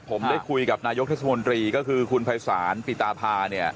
ผมได้คุยกับนายกเทศมนตรีก็คือคุณภัยศาลปิตาพาเนี่ย